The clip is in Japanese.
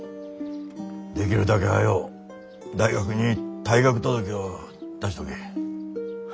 できるだけ早う大学に退学届ょお出しとけ。